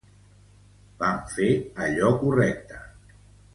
Vam fer allò correcte.